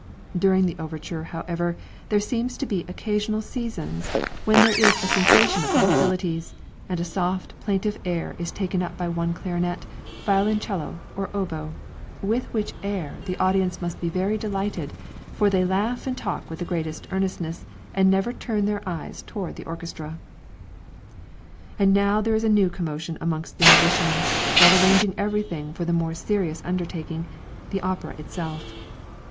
During the overture, however, there seems to be occasional seasons when there is a cessation of hostilities, and a soft plaintive air is taken up by one clarionet, violincello or oboe, with which air the audience must be very much delighted, for they laugh and talk with the greatest earnestness, and never turn their eyes towards the orchestra. And now there is a new commotion among the musicians, while arranging every thing for the more serious undertaking, the opera itself.